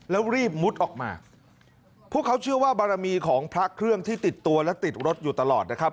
แล้วรีบมุดออกมาพวกเขาเชื่อว่าบารมีของพระเครื่องที่ติดตัวและติดรถอยู่ตลอดนะครับ